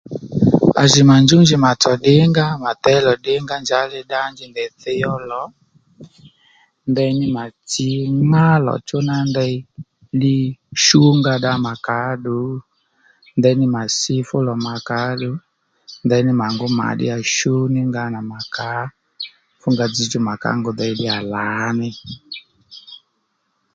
À jì mà njúw dji mà tsò ddǐngǎ mà těy lò ddǐngǎ njàddíli ddá nji ndèy thíy ó lò ndeyní mà tsǐ ŋá lò chú ná ndey shú nga dda mà kàóddù ndeyní mà sí fú lò mà kǎddù ndeyní mà ngú mà shú ní nga nà mà kǎ fú nga dzzdjú mà ká ngu dey ddíyà lǎní